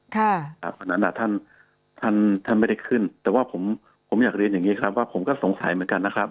เพราะฉะนั้นท่านท่านไม่ได้ขึ้นแต่ว่าผมอยากเรียนอย่างนี้ครับว่าผมก็สงสัยเหมือนกันนะครับ